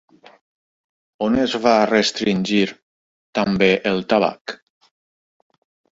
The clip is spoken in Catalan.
On es va restringir també el tabac?